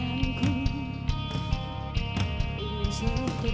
aduh dan distorsi